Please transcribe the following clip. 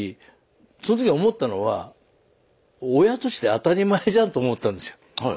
その時思ったのは親として当たり前じゃん！と思ったんですよ。